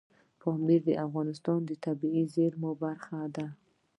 پامیر د افغانستان د طبیعي زیرمو برخه ده.